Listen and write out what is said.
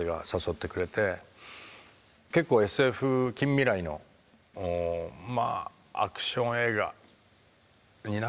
結構ＳＦ近未来のアクション映画になるのかなあ。